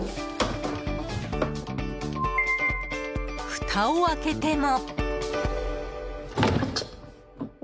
ふたを開けても。